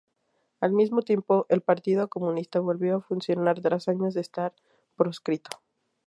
Al mismo tiempo, el Partido Comunista volvió a funcionar tras años de estar proscrito.